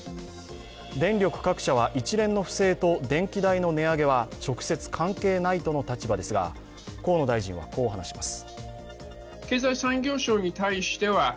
電力各社は一連の不正と電気代の値上げは直接関係ないとの立場ですが河野大臣はこう話します。